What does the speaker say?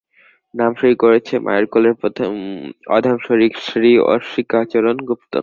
নাম সই করেছে, মায়ের কোলের অধম শরিক, শ্রীঅম্বিকাচরণ গুপ্ত।